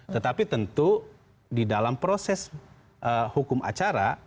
tetapi tentu di dalam proses hukum acara